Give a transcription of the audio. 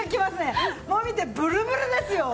もう見てブルブルですよ。